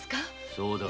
そうだ。